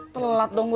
telat dong gue